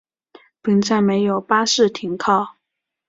本站没有巴士停靠。